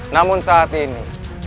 namun saat ini